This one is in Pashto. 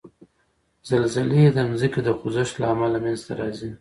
زلزلې د ځمکې د خوځښت له امله منځته راځي.